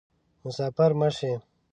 مسافر مه شي